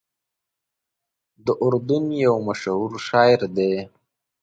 د اردن یو مشهور شاعر دی.